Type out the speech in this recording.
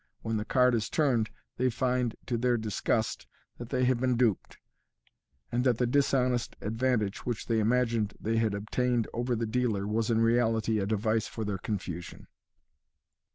When the card is turned, they find, to their disgust, that they have been duped, and that the dishonest advantage which they imagined they had obtained over the dealer was in reality a device for their confusion.